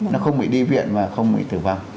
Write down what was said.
nó không bị đi viện mà không bị tử vong